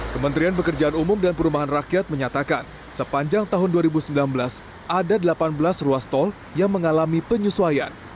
kementerian pekerjaan umum dan perumahan rakyat menyatakan sepanjang tahun dua ribu sembilan belas ada delapan belas ruas tol yang mengalami penyesuaian